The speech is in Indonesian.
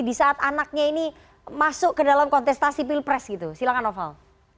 di saat anaknya ini masuk ke dalam kontestasi pilpres gitu silahkan noval